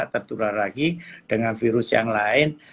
tertular lagi dengan virus yang lain